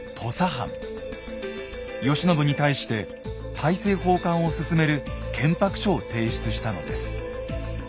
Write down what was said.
慶喜に対して大政奉還を勧める「建白書」を提出したのです。